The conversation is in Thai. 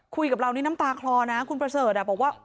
คุยกับเรานี่น้ำตาคลอนะคุณประเสริฐบอกว่า